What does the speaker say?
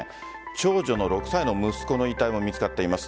長女の６歳の息子の遺体も見つかっています。